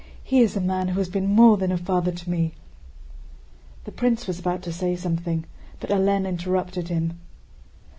He is a man who has been more than a father to me!" The prince was about to say something, but Hélène interrupted him.